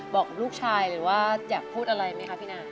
บอกกับลูกชายหรือว่าอยากพูดอะไรไหมคะพี่นา